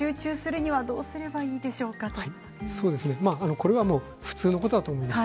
これは普通のことだと思います。